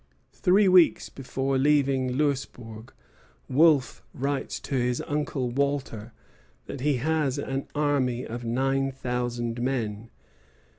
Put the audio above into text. Three weeks before leaving Louisbourg, Wolfe writes to his uncle Walter that he has an army of nine thousand men.